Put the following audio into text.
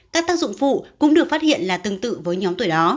các tác dụng phụ cũng được phát hiện là tương tự với nhóm tuổi đó